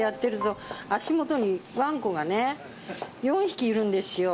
４匹いるんですよ。